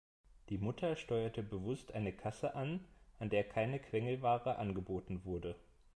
Die Mutter steuerte bewusst eine Kasse an, an der keine Quengelware angeboten wurde.